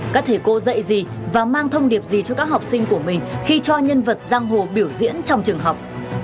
các thầy cô dạy gì và mang thông điệp gì cho các học sinh của mình khi cho nhân vật giang hồ biểu diễn trong trường học